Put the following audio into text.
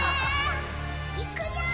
いくよ！